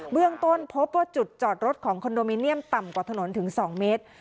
เรื่องต้นพบว่าจุดจอดรถของคอนโดมิเนียมต่ำกว่าถนนถึง๒เมตร